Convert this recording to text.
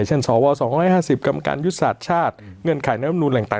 เช่นสว๒๕๐กรรมการยุทธศาสตร์ชาติเงื่อนไขในมนุษย์แหล่งต่าง